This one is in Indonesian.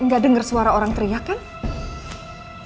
nggak dengar suara orang teriak kan